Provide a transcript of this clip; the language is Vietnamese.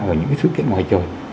ở những cái sự kiện ngoài trời